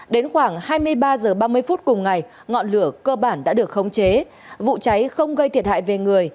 đến khoảng hai mươi ba h ba mươi phút cùng ngày ngọn lửa cơ bản đã được khống chế vụ cháy không gây thiệt hại về người